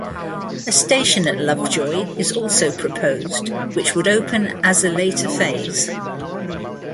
A station at Lovejoy is also proposed, which would open as a later phase.